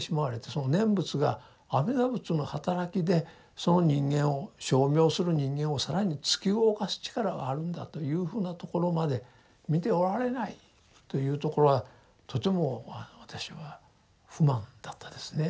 その念仏が阿弥陀仏のはたらきでその人間を称名する人間を更に突き動かす力があるんだというふうなところまで見ておられないというところがとても私は不満だったですね。